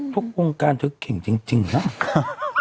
ทุกวงการเธอเก่งจริงนะ